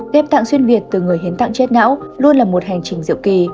ghép tặng xuyên việt từ người hiến tặng chết não luôn là một hành trình diệu kỳ